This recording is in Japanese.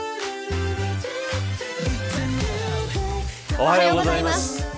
おはようございます。